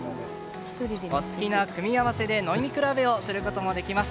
お好きな組み合わせで飲み比べをすることもできます。